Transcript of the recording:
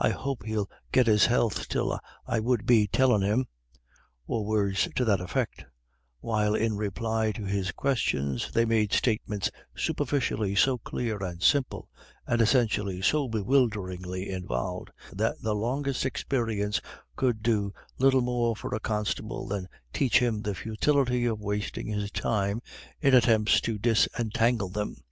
I hope he'll get his health till I would be tellin' him," or words to that effect; while in reply to his questions, they made statements superficially so clear and simple, and essentially so bewilderingly involved, that the longest experience could do little more for a constable than teach him the futility of wasting his time in attempts to disentangle them.